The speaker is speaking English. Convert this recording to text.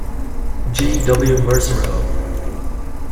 G. W. Mersereau.